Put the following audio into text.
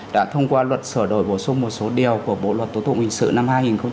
đã thông qua luật sửa đổi bổ sung một số điều của bộ luật tố tụng hình sự năm hai nghìn một mươi năm